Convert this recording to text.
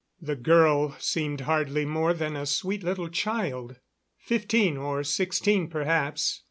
The girl seemed hardly more than a sweet little child fifteen or sixteen, perhaps.